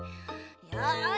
よし！